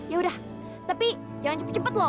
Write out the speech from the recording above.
ya udah tapi jangan cepet cepet loh